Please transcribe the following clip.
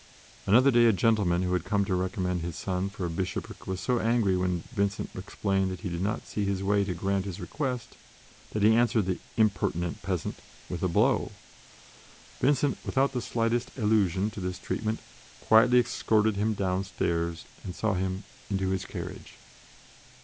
Another day a gentleman who had come to recommend his son for a bishopric was so angry when Vincent explained that he did not see his way to grant his request that he answered the "impertinent peasant" with a blow. Vincent, without the slightest allusion to this treatment, quietly escorted him downstairs and saw him into his carriage.